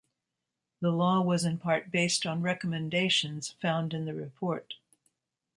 The law was in part based on recommendations found in the report.